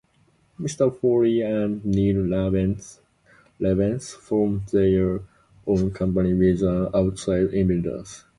Mr. Foley and Neil Rabens formed their own company with an outside investor.